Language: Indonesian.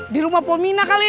di rumah pominah kali